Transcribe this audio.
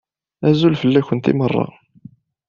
Azul fell-akent i meṛṛa.